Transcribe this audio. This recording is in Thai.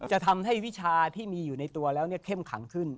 ใช่ครับถูกมีวิชาที่มีอยู่ในตัวแล้วเข้มขังขึ้น